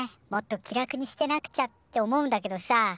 もっと気楽にしてなくちゃ」って思うんだけどさ